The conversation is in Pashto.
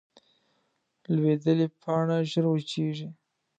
لوېدلې پاڼه ژر وچېږي